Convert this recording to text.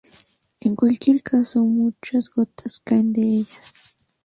En cualquier caso, muchas gotas caen de ellas.